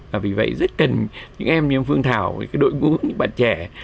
và vì vậy rất cần những em như em phương thảo đội ngũ những bạn trẻ